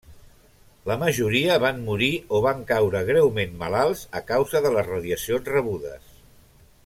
La majoria van morir o van caure greument malalts a causa de les radiacions rebudes.